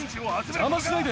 邪魔しないで。